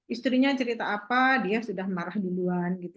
istrinya cerita apa dia sudah marah duluan